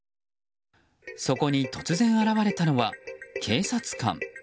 そこに突然現れたのは警察官。